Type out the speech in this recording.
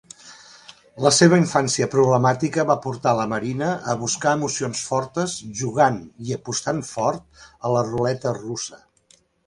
La seva infància problemàtica, va portar la Marina a buscar emocions fortes jugant i apostant fort a la ruleta russa.